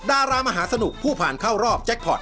ดารามหาสนุกผู้ผ่านเข้ารอบแจ็คพอร์ต